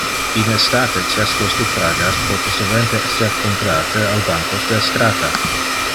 In estate cestos de fragas pote sovente ser comprate al bancos del strata